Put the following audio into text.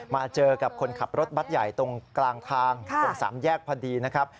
มาเจอกับคนขับรถบัตรใหญ่ตรงกลางทางตรงสามแยกพอดีนะครับ